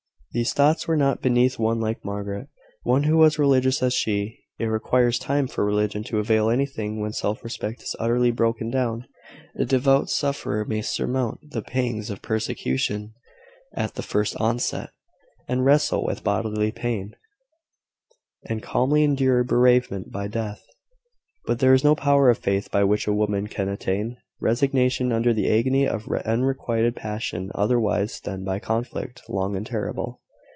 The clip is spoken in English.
These thoughts were not beneath one like Margaret one who was religious as she. It requires time for religion to avail anything when self respect is utterly broken down. A devout sufferer may surmount the pangs of persecution at the first onset, and wrestle with bodily pain, and calmly endure bereavement by death; but there is no power of faith by which a woman can attain resignation under the agony of unrequited passion otherwise than by conflict, long and terrible.